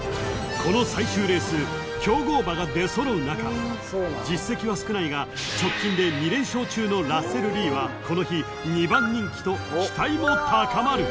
［この最終レース強豪馬が出揃う中実績は少ないが直近で２連勝中のラッセルリーはこの日２番人気と期待も高まる］